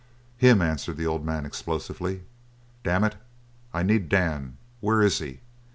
"Him!" answered the old man explosively. "Damn it, I need Dan! Where is he?